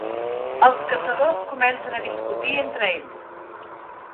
Els caçadors comencen a discutir entre ells.